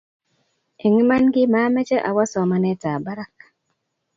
eng Iman kimameche awa somanetab barak